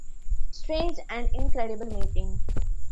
Strange and incredible meeting!